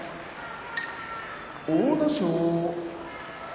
阿武咲